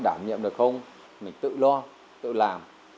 đảm nhiệm được không mình tự lo tự làm